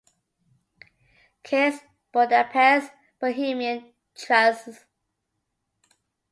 Kiss, Budapest; Bohemian transl.